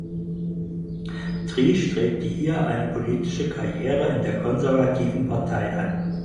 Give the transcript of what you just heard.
Tree strebte hier eine politische Karriere in der konservativen Partei an.